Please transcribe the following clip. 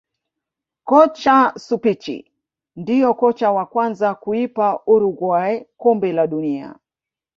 Kocha Suppici ndio kocha wa kwanza kuipa uruguay kombe la dunia